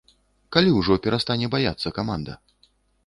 Калі ўжо перастане баяцца каманда?